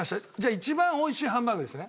一番美味しいハンバーグですね？